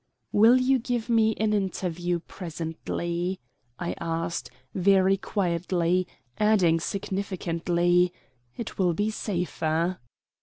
"Will you give me an interview presently?" I asked, very quietly, adding significantly, "It will be safer."